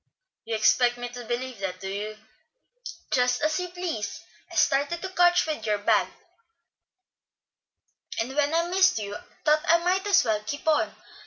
"You expect me to believe that, do you?" "Just as you please. I started to catch you with your bag, and when I missed you, thought I might as well keep on.